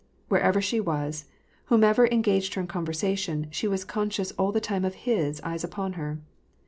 Wherever she was, whoever engaged her in conversation, she was conscious all the time of his eyes upon her.